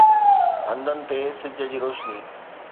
هنڌن تي سج جي روشني